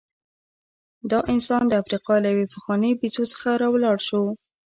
دا انسان د افریقا له یوې پخوانۍ بیزو څخه راولاړ شو.